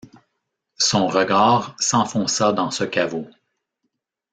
Son regard s’enfonça dans ce caveau.